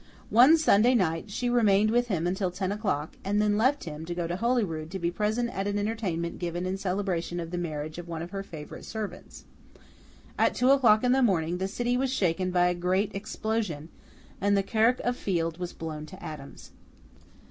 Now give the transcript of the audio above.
One Sunday night, she remained with him until ten o'clock, and then left him, to go to Holyrood to be present at an entertainment given in celebration of the marriage of one of her favourite servants. At two o'clock in the morning the city was shaken by a great explosion, and the Kirk of Field was blown to atoms.